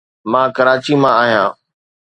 مان ڪراچي مان آهيان.